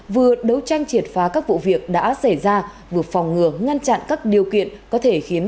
vừa đấu tranh triệt phá các vụ việc đã xảy ra vừa phòng ngừa ngăn chặn các điều kiện